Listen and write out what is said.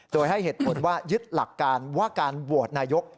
โดยให้เหตุผลว่ายึดหลักการว่าการโหวตนายก